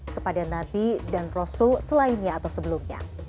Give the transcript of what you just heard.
kepada nabi dan rasul selainnya atau sebelumnya